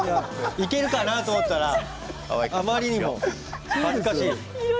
いけるかなと思ったけどあまりにも恥ずかしい。